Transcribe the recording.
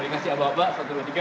yang dikasih abah abah satu dua tiga